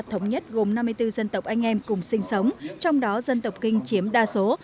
thống nhất gồm năm mươi bốn dân tộc anh em cùng sinh sống trong đó dân tộc kinh chiếm đa số